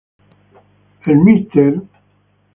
The Mr.